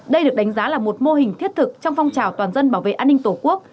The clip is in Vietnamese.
đây được đánh giá là một mô hình thiết thực trong phong trào toàn dân bảo vệ an ninh tổ quốc